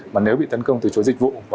mà nếu bị tấn công từ chối dịch vụ